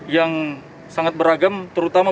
yang sangat beragam terutama